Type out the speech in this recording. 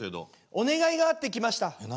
「お願いがあって来ました」。何？